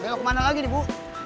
belok kemana lagi nih bu